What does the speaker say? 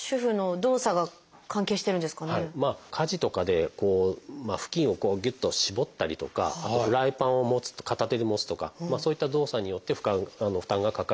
家事とかで布巾をこうぎゅっと絞ったりとかあとフライパンを持つ片手で持つとかそういった動作によって負担がかかるといわれてますね。